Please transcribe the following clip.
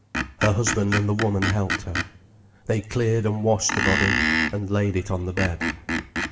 Her husband and the woman helped her. They cleared and washed the body, and laid it on the bed.